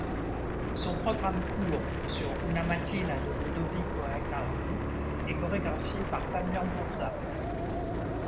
Son programme court sur Una Mattina de Ludovico Einaudi est chorégraphié par Fabian Bourzat.